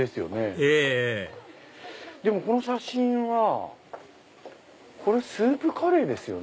ええええでもこの写真はスープカレーですよね？